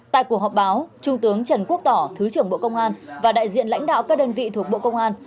tại cuộc họp báo trung tướng trần quốc tỏ thứ trưởng bộ công an và đại diện lãnh đạo các đơn vị thuộc bộ công an